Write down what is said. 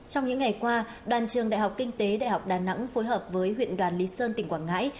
trong những ngày qua đoàn trường đại học kinh tế đại học đà nẵng phối hợp với huyện đoàn lý sơn tỉnh quảng ngãi